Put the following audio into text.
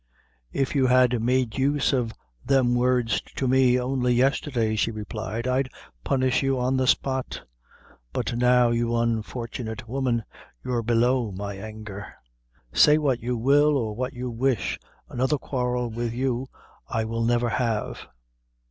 "If you had made use of them words to me only yesterday," she replied, "I'd punish you on the spot; but now, you unfortunate woman, you're below my anger. Say what you will or what you wish, another quarrel with you I will never have."